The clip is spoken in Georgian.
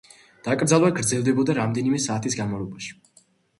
დაკრძალვა გრძელდებოდა რამდენიმე საათის განმავლობაში.